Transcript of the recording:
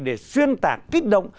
để xuyên tạc kích động